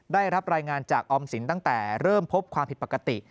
ได้รับรายงานจากออมสินตั้งแต่เริ่มพบความผิดปกติ